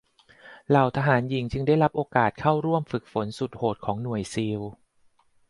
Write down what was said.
เหล่าทหารหญิงจึงได้รับโอกาสเข้าร่วมการฝึกฝนสุดโหดของหน่วยซีล